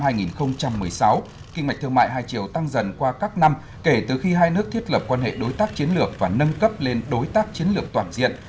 kinh ngạch thương mại hai triệu tăng dần qua các năm kể từ khi hai nước thiết lập quan hệ đối tác chiến lược và nâng cấp lên đối tác chiến lược toàn diện